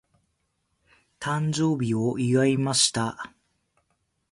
誕生日を祝いました。